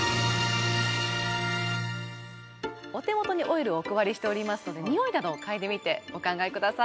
お手元にオイルをお配りしておりますのでにおいなどを嗅いでみてお考えください